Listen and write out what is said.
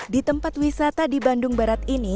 di tempat wisata di bandung barat ini